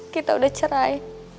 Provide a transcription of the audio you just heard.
kita udah cerai